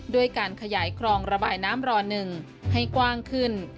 ด้วยการขยายคลองระบายน้ำรอ๑ให้กว้างขึ้น